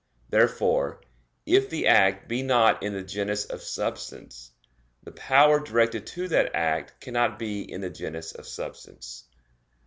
Therefore, if the act be not in the genus of substance, the power directed to that act cannot be in the genus of substance.